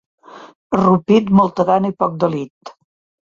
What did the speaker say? A Rupit, molta gana i poc delit.